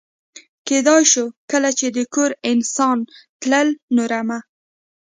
کېدای شو کله چې د کور انسان تلل، نو رمه.